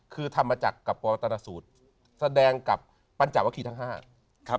คือทำมาจากกับประวัตนสูตรแสดงกับปัญจักรวคีทั้งห้า